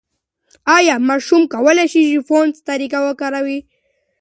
ایا ماشوم کولای شي فونس طریقه وکاروي؟